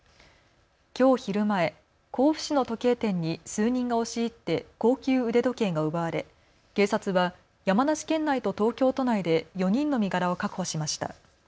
きょう昼前、甲府市の時計店に数人が押し入って高級腕時計が奪われ警察は山梨県内と東京都内で４人の身柄を確保しました。